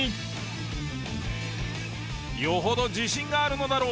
よほど自信があるのだろう。